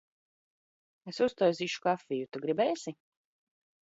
Es uztaisīšu kafiju. Tu gribēsi?